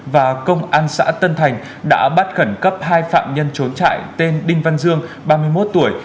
và công an xã tân thành đã bắt khẩn cấp hai phạm nhân trốn trại tên đinh văn dương ba mươi một tuổi